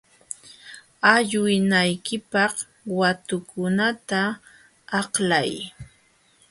Allwinaykipaq watukunata aklay.